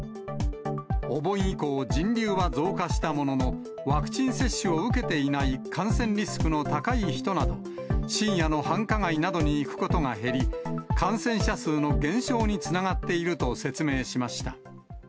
お盆以降、人流は増加したものの、ワクチン接種を受けていない感染リスクの高い人など、深夜の繁華街などに行くことが減り、感染者数の減少につながっていると説明しました。